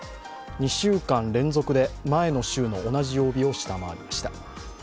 ２週間連続で前の週の同じ曜日を下回りました。